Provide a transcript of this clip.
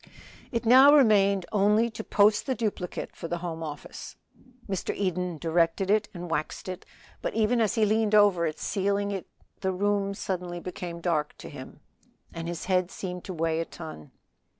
It now remained only to post the duplicate for the Home Office. Mr. Eden directed it and waxed it, but even as he leaned over it sealing it the room suddenly became dark to him, and his head seemed to weigh a ton.